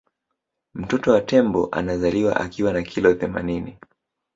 mtoto wa tembo anazaliwa akiwa na kilo themanini